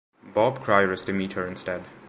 Bob Cryer is to meet her instead.